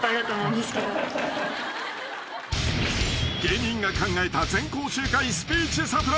［芸人が考えた全校集会スピーチサプライズ］